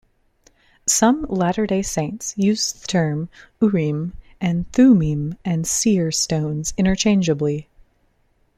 Some Latter Day Saints use the term Urim and Thummim and seer stones interchangeably.